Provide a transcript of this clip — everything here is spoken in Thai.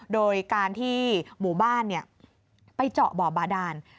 โดยการที่หมู่บ้านไปเจาะบ่อบาดาน